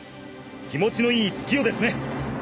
気持ちのいい月夜ですね！